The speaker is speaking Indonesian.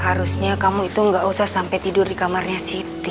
harusnya kamu itu nggak usah sampai tidur di kamarnya siti